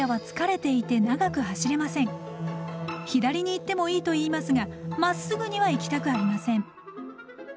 左に行ってもいいと言いますがまっすぐには行きたくありません。